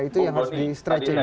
itu yang harus di stretch ini